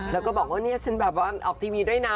แล้วก็บอกว่าเนี่ยฉันแบบว่าออกทีวีด้วยนะ